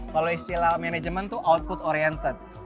kalau istilah manajemen itu output oriented